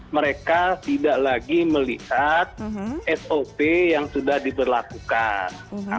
mereka tidak lagi melihat sop yang sudah diberlakukan